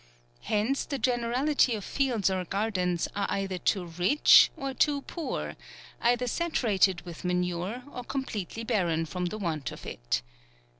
Hence the ge nerality of fields or gardens are either too rich, or too poor ; either saturated with ma nure, or completely barren from the want of it.